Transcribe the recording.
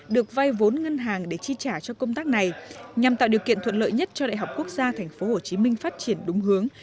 được vay vốn ngân hàng để chi trả cho công tác này nhằm tạo điều kiện thuận lợi nhất cho đại học quốc gia tp hcm phát triển đúng hướng